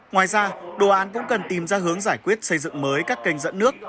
ngoài ra đồ án cũng cần tìm ra hướng giải quyết xây dựng mới các kênh dẫn nước